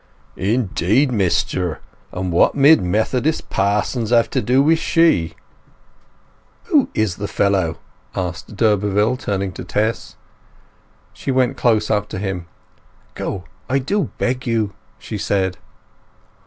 "Indeed, Mister! And what mid Methodist pa'sons have to do with she?" "Who is the fellow?" asked d'Urberville, turning to Tess. She went close up to him. "Go—I do beg you!" she said.